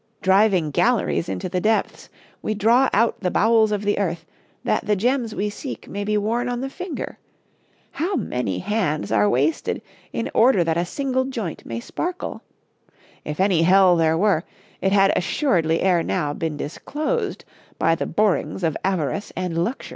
Driving galleries into the depths, we draw out the bowels of the earth, that the gems we seek may be worn on the finger. How many hands are wasted in order that a single joint may sparkle! If any hell there were, it had assuredly ere now been disclosed by the borings of avarice and luxury!'